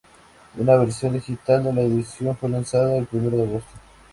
Una versión digital de la edición fue lanzada el primero de agosto.